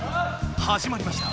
はじまりました。